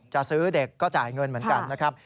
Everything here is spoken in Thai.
จะซื้อเด็กก็จ่ายเงินเหมือนกันนะครับ